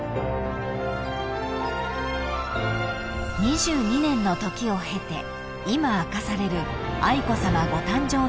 ［２２年の時を経て今明かされる愛子さまご誕生の舞台裏とは］